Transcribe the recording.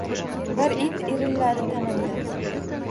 Bir it irilladi tanamda